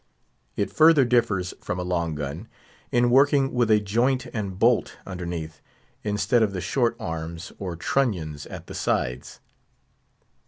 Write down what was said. It further differs from a long gun, in working with a joint and bolt underneath, instead of the short arms or trunnions at the sides.